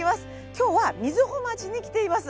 今日は瑞穂町に来ています。